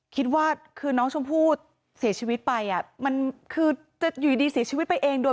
คิดว่าคือน้องชมพู่เสียชีวิตไปมันคือจะอยู่ดีเสียชีวิตไปเองโดย